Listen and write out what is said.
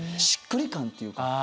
しっくり感っていうか。